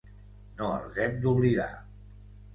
No els hem d’oblidar.